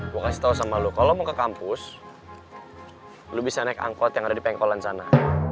gue kasih tau sama lo kalau mau ke kampus lo bisa naik angkot yang ada di pengkolan sana